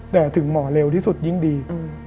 แต่ถึงหมอเร็วที่สุดยิ่งดี